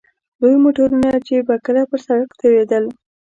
لوی موټرونه چې به کله پر سړک تېرېدل.